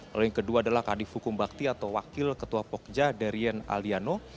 lalu yang kedua adalah kadif hukum bakti atau wakil ketua pokja darien aliano